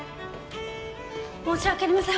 申し訳ありません！